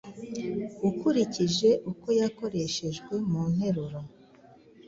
ukurikije uko yakoreshejwe mu nteruro.